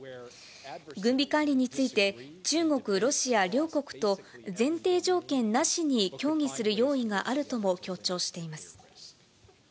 軍備管理について、中国、ロシア両国と前提条件なしに協議する用意があるとも強調しています。